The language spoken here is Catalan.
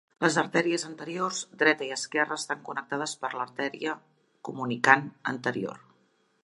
Les artèries anteriors dreta i esquerra estan connectades per l'arteria comunicant anterior.